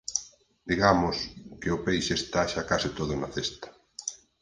Digamos, que o peixe está xa case todo na cesta.